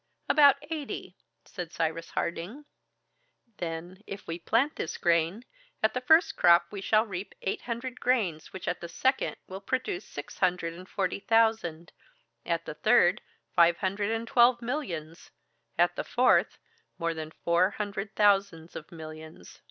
"About eighty!" said Cyrus Harding. "Then, if we plant this grain, at the first crop we shall reap eight hundred grains which at the second will produce six hundred and forty thousand; at the third, five hundred and twelve millions; at the fourth, more than four hundred thousands of millions!